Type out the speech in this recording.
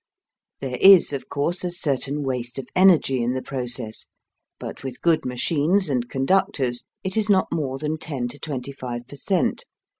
There is, of course, a certain waste of energy in the process, but with good machines and conductors, it is not more than 10 to 25 per cent.